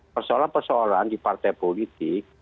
persoalan persoalan di partai politik